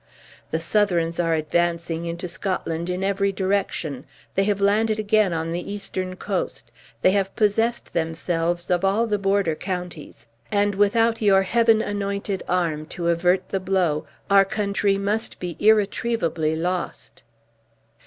The Southrons are advancing into Scotland in every direction. They have landed again on the eastern coast; they have possessed themselves of all the border counties; and without your Heaven anointed arm to avert the blow, our country must be irretrievably lost."